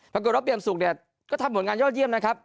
ปรากฎรถเปรียมศุกร์เนี่ยก็ทำหมดงานยอดเยี่ยมนะครับ